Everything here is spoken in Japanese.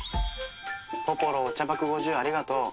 ぽぽろお茶爆５０ありがとう。